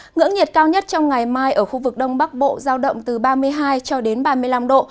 ngưỡng nhiệt cao nhất trong ngày mai ở khu vực đông bắc bộ giao động từ ba mươi hai cho đến ba mươi năm độ